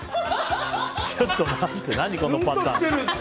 ちょっと待って何このパターン。